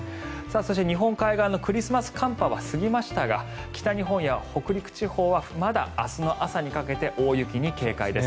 そして、日本海側のクリスマス寒波は過ぎましたが北日本や北陸地方はまだ明日の朝にかけて大雪に警戒です。